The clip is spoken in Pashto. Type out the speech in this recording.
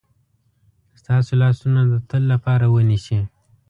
ستاسو لاسونه د تل لپاره ونیسي.